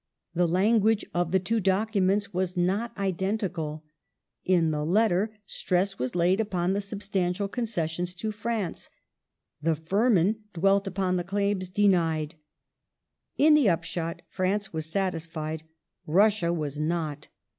The language of the two documents was not identical : in the letter, stress was laid upon the substantial concessions to France ; the Firman dwelt upon the claims denied. In the upshot, France was satisfied, Russia was not.